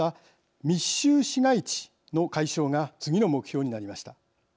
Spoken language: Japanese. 密集市街地の解消が次の目標になりました。